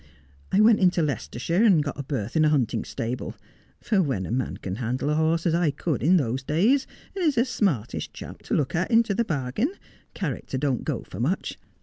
I went into Leicestershire, and got a berth in a hunting stable ; for when a man can handle a horse as I could in those days, and is a smartish chap to look at into the bar gain, character don't go for much.